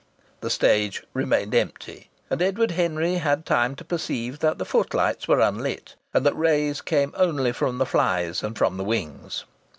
The stage remained empty, and Edward Henry had time to perceive that the footlights were unlit and that rays came only from the flies and from the wings.